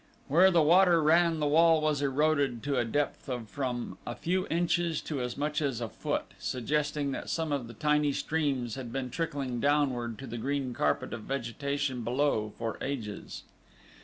Where the water ran the wall was eroded to a depth of from a few inches to as much as a foot, suggesting that some of the tiny streams had been trickling downward to the green carpet of vegetation below for ages.